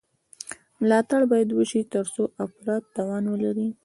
ملاتړ باید وشي ترڅو افراد توان ولري.